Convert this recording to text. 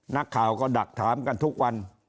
นักข่าวก็ดักถามกันทุกวัน